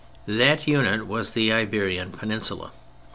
That unit was the Iberian Peninsula.